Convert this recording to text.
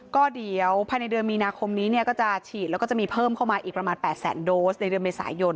ก็เดี๋ยวภายในเดือนมีนาคมนี้ก็จะฉีดแล้วก็จะมีเพิ่มเข้ามาอีกประมาณ๘แสนโดสในเดือนเมษายน